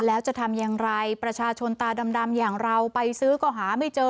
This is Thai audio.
แล้วจะทำอย่างไรประชาชนตาดำอย่างเราไปซื้อก็หาไม่เจอ